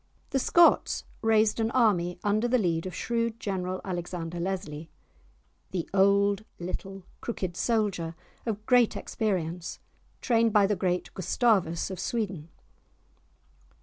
The Scots raised an army under the lead of shrewd general Alexander Leslie, the "old, little, crooked soldier," of great experience, trained by the great Gustavus of Sweden.